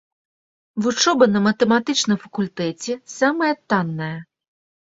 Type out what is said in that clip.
Вучоба на матэматычным факультэце самая танная.